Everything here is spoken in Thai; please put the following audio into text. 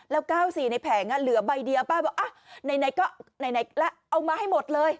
แล้ว๙๔ในแผงเหลือใบเดียวป้าบอกเอามาให้หมดเลย